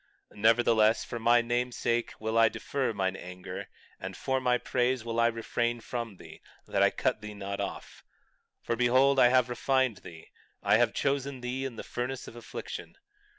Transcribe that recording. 20:9 Nevertheless, for my name's sake will I defer mine anger, and for my praise will I refrain from thee, that I cut thee not off. 20:10 For, behold, I have refined thee, I have chosen thee in the furnace of affliction.